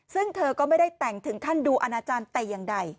ซึ่งเธอก็ไม่ได้แต่งถึงขั้นดูอาณาจารย์แต่อย่างใด